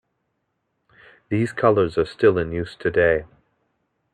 These colours are still in use today.